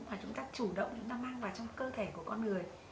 mà chúng ta chủ động mang vào trong cơ thể của con người